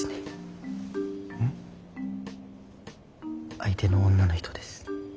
相手の女の人です。